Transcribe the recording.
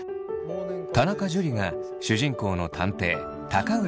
田中樹が主人公の探偵高浦